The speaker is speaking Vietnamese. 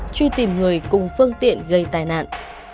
truy tìm người cùng phương tiện gây tai nạn